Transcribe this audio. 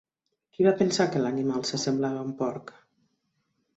Qui va pensar que l'animal s'assemblava a un porc?